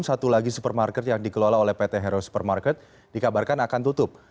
satu lagi supermarket yang dikelola oleh pt hero supermarket dikabarkan akan tutup